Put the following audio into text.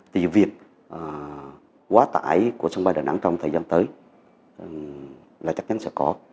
thì việc quá tải của sân bay đà nẵng trong thời gian tới là chắc chắn sẽ có